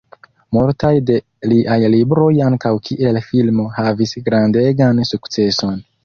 Multaj de liaj libroj ankaŭ kiel filmo havis grandegan sukceson.